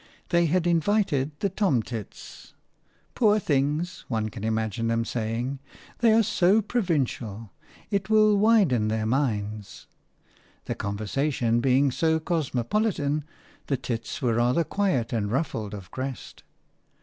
They had invited the tomtits. "Poor things," one can imagine them saying, "they are so provincial; it will widen their minds." The conversation being so cosmopolitan, the tits were rather quiet and ruffled of crest.